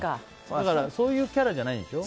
そういうキャラじゃないでしょ？